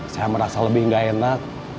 saya merasa lebih nggak enak